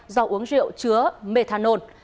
do uống rượu chứa methanol